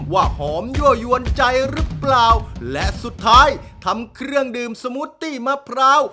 หอมยั่วยวนใจหรือเปล่าและสุดท้ายทำเครื่องดื่มสมูตตี้มะพร้าว